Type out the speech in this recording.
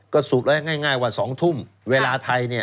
ก็สูตรแรกน่ายว่า๒ทุ่มเวลาไทยเนี่ย